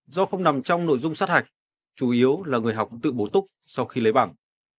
do không nằm trong nội dung sát hạch chủ yếu là người học tự bổ túc sau khi lấy bảng